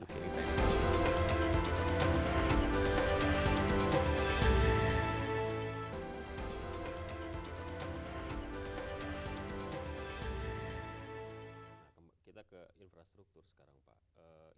kita ke infrastruktur sekarang pak